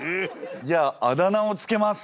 じゃああだ名を付けます。